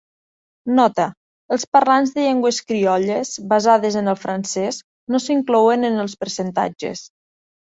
Nota: els parlants de llengües criolles basades en el francès no s'inclouen en els percentatges.